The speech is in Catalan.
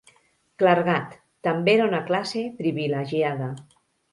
Clergat: també era una classe privilegiada.